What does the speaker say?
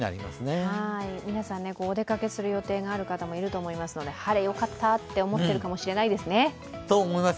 皆さん、お出かけする予定がある方もいると思いますので晴れ、よかったと思っているかもしれないですね。